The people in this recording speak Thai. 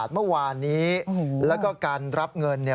เมื่อวานนี้แล้วก็การรับเงินเนี่ย